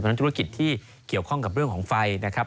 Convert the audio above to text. นั้นธุรกิจที่เกี่ยวข้องกับเรื่องของไฟนะครับ